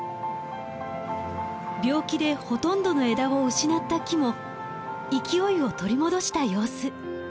病気でほとんどの枝を失った木も勢いを取り戻した様子。